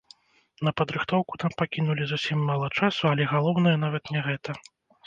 На падрыхтоўку нам пакінулі зусім мала часу, але галоўнае нават не гэта.